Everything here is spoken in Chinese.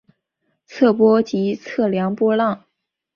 测波即测量波浪。